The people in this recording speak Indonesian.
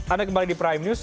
anda kembali di prime news